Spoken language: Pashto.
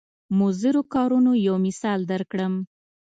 مضرو کارونو یو مثال درکړم.